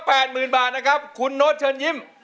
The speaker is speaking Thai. เพลงที่๖มูลศึกษา๘๐๐๐๐บาทคุณโหนดเชิญยิ้ม